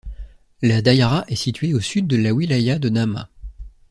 La daïra est située au sud de la wilaya de Naâma.